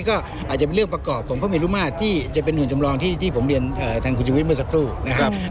ก็อาจจะเป็นเรื่องประกอบของพระเมรุมาตรที่จะเป็นหุ่นจำลองที่ผมเรียนทางคุณชุวิตเมื่อสักครู่นะครับ